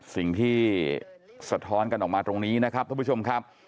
สิ่งที่สะท้อนกันออกมาตรงนี้นะครับท่านผู้ชมครับ